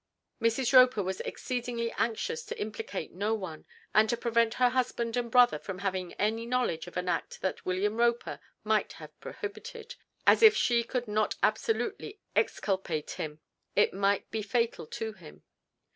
Mrs. Roper was exceedingly anxious to implicate no one, and to prevent her husband and brother from having any knowledge of an act that William Roper might have prohibited, as if she could not absolutely exculpate him, it might be fatal to him.